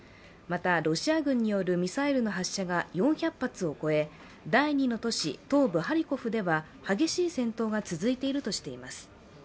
また、ロシア軍によるミサイルの発射が４００発を超え第２の都市、東部ハリコフでは激しい戦闘が続いているとしています。